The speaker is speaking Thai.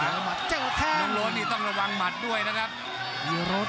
น้องรถนี่ต้องระวังหมัดด้วยละก็นี่ครับ